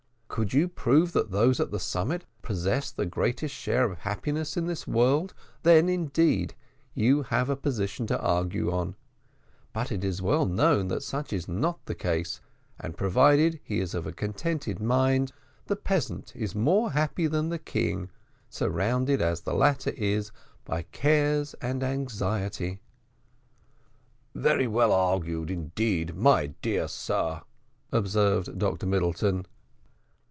Could you prove that those at the summit possess the greatest share of happiness in this world, then, indeed, you have a position to argue on; but it is well known that such is not the case; and, provided he is of a contented mind, the peasant is more happy than the king, surrounded as the latter is by cares and anxiety." "Very well argued indeed, my dear sir," observed Dr Middleton.